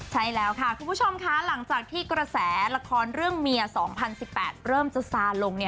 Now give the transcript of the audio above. ใช่แล้วค่ะคุณผู้ชมค่ะหลังจากที่กระแสละครเรื่องเมีย๒๐๑๘เริ่มจะซาลง